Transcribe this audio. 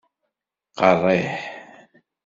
Qerriḥ?